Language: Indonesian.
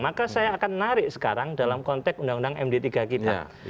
maka saya akan narik sekarang dalam konteks undang undang md tiga kita